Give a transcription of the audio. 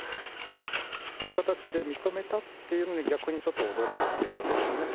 そういう形で認めたっていうのに逆にちょっと驚いてるんですよね。